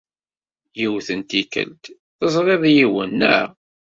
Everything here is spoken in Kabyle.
Yiwet n tikkelt, teẓriḍ yiwen, naɣ?